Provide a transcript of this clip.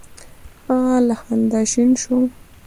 هغه له خندا شین شو: